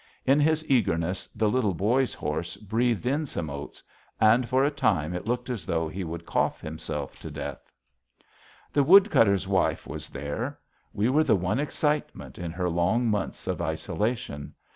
In his eagerness, the Little Boy's horse breathed in some oats, and for a time it looked as though he would cough himself to death. The wood cutter's wife was there. We were the one excitement in her long months of isolation.